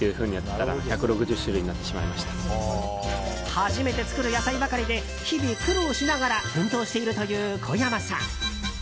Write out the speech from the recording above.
初めて作る野菜ばかりで日々苦労しながら奮闘しているという小山さん。